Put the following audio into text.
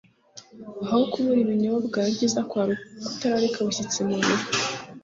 aho kubura ibinyobwa ibyiza kwari ukutararika abashyitsi mu birori.